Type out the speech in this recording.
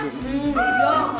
hmm ini dong